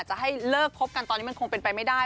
จะให้เลิกคบกันตอนนี้มันคงเป็นไปไม่ได้